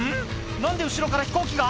何で後ろから飛行機が？